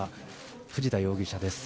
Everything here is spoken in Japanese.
藤田容疑者です。